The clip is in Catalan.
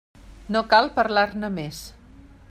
No cal parlar-ne més.